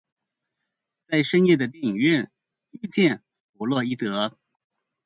在深夜的電影院遇見佛洛伊德